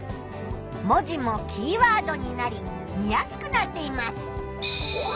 文字もキーワードになり見やすくなっています。